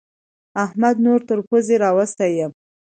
احمد نور تر پوزې راوستی يم.